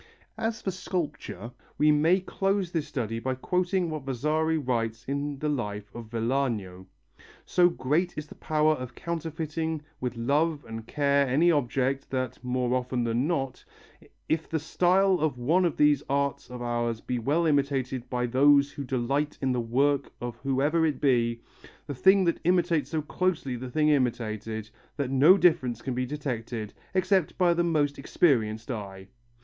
As for sculpture, we may close this study by quoting what Vasari writes in the life of Vellano. "So great is the power of counterfeiting with love and care any object, that, more often than not, if the style of one of these arts of ours be well imitated by those who delight in the work of whoever it be, the thing that imitates so closely resembles the thing imitated, that no difference can be detected, except by the most experienced eye."